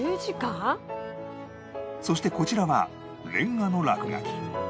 そしてこちらはレンガの落書き